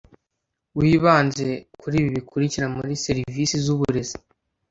wibanze kuri ibi bikurikira muri serivisi z ‘uburezi.